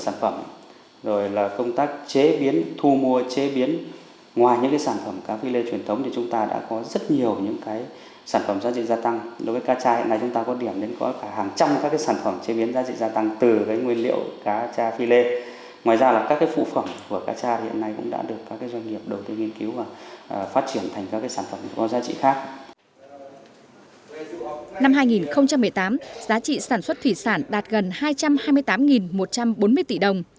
năm hai nghìn một mươi tám giá trị sản xuất thủy sản đạt gần hai trăm hai mươi tám một trăm bốn mươi triệu đồng